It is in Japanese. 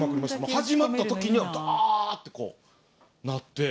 始まった時にはダってこうなって。